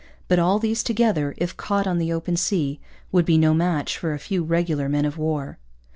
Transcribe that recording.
But all these together, if caught on the open sea, would be no match for a few regular men of war.